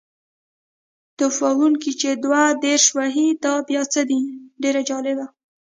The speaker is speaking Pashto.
توپ وهونکی چې دوه دېرش وهي دا بیا څه دی؟ ډېر جالبه.